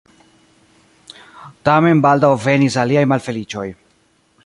Tamen baldaŭ venis aliaj malfeliĉoj.